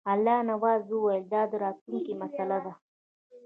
الله نواز وویل دا د راتلونکي مسله ده.